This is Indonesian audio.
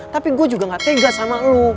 tapi gue juga gak tega sama lo